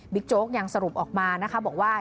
บิ๊กโจ๊กยังสรุปออกมาบอกว่า